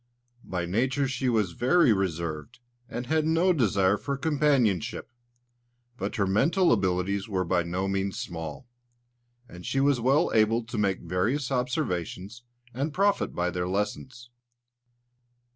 By nature she was very reserved, and had no desire for companionship; but her mental abilities were by no means small, and she was well able to make various observations, and profit by their lessons.